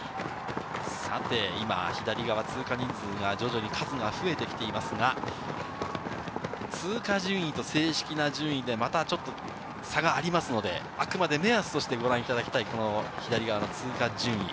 今左側、通過人数が徐々に数が増えてきていますが、通過順位と正式な順位で、またちょっと差がありますので、あくまで目安としてご覧いただきたい左側の通過順位。